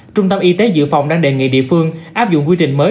trung tâm y tế dự phòng đang đề nghị địa phương áp dụng quy trình mới